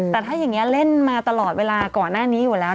แต่ถ้าอย่างนี้เล่นมาตลอดเวลาก่อนหน้านี้อยู่แล้ว